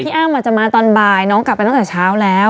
อ้ำอาจจะมาตอนบ่ายน้องกลับไปตั้งแต่เช้าแล้ว